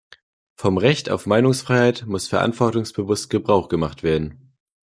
Vom Recht auf Meinungsfreiheit muss verantwortungsbewusst Gebrauch gemacht werden.